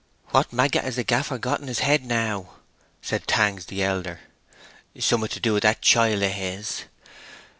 "What maggot has the gaffer got in his head now?" said Tangs the elder. "Sommit to do with that chiel of his!